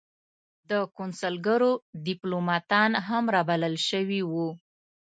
د کنسلګریو دیپلوماتان هم را بلل شوي وو.